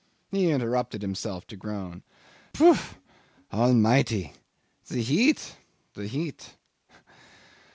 He interrupted himself to groan. "Phoo! Almighty! The heat! The heat!